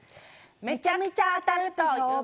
めちゃくちゃ当たると評判の。